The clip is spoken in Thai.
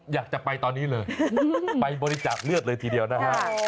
อยากจะไปตอนนี้เลยไปบริจาคเลือดเลยทีเดียวนะฮะ